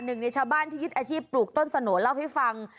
หนึ่งในชาวบ้านที่ยึดอาชีพปลูกต้นสโนเล่าให้ฟัง